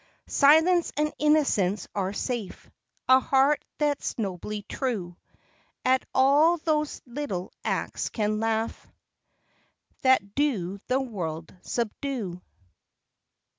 Silence and innocence are safe, A heart that's nobly true, At all those little acts can laugh, That do the world subdue.